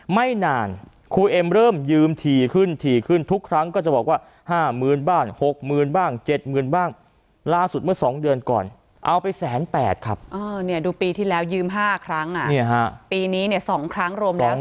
ไม่นานครูเอ็มเริ่มยืมถี่ขึ้นถี่ขึ้นทุกครั้งก็จะบอกว่า๕๐๐๐๐บ้าง๖๐๐๐๐บ้าง๗๐๐๐๐บ้าง